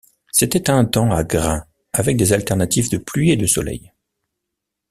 C’était un temps à grains, avec des alternatives de pluie et de soleil.